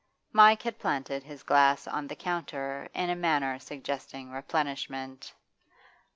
Mike had planted his glass on the counter in a manner suggesting replenishment.